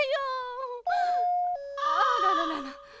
・あららら。